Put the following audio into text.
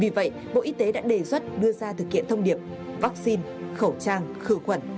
vì vậy bộ y tế đã đề xuất đưa ra thực hiện thông điệp vaccine khẩu trang khử khuẩn